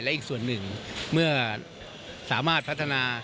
และอีกส่วนหนึ่งเมื่อสามารถพัฒนา